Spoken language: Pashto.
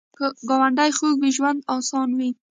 که ګاونډي خوږ وي، ژوند اسان وي